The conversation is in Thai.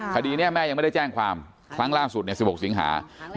คดีนี้แม่ยังไม่ได้แจ้งความครั้งล่าสุด๑๖สิงหา